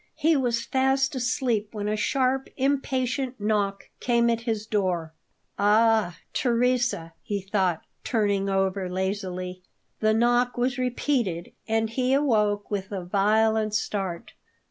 He was fast asleep when a sharp, impatient knock came at his door. "Ah, Teresa!" he thought, turning over lazily. The knock was repeated, and he awoke with a violent start.